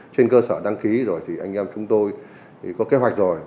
trên cơ sở đăng ký rồi thì anh em chúng tôi có kế hoạch rồi